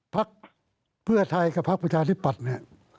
พรรคเพื่อไทยกับพรรคปุยาธิปรัชนะ